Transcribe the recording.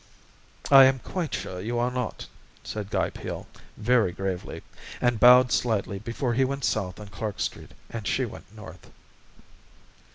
"I am quite sure you are not," said Guy Peel, very gravely, and bowed slightly before he went south on Clark Street, and she went north.